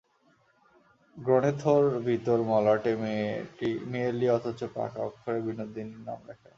গ্রনেথর ভিতরের মলাটে মেয়েলি অথচ পাকা অক্ষরে বিনোদিনীর নাম লেখা।